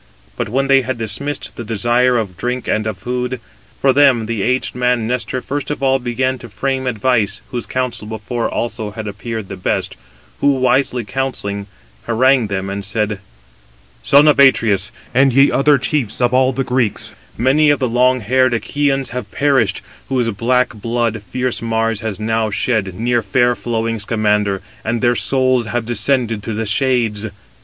261 But when they had dismissed the desire of drink and of food, for them the aged man Nestor first of all began to frame advice, whose counsel before also had appeared the best, who, wisely counselling, harangued them, and said: Footnote 261: (return) The same honour is paid to Æneas in Virg. Æn. viii. 181. Cf. Xenoph. Rep. Lac. XV. 4. "Son of Atreus, and ye other chiefs of all the Greeks, many of the long haired Achæans have perished, whose black blood fierce Mars has now shed near fair flowing Scamander, and their souls have descended to the shades!